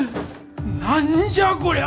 何じゃこりゃ！